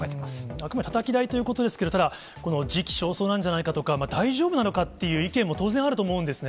あくまでたたき台ということですけれども、ただ、時期尚早なんじゃないかとか、大丈夫なのかっていう意見も当然あると思うんですね。